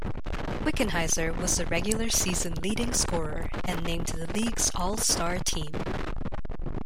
Wickenheiser was the regular season leading scorer and named to the league's all-star team.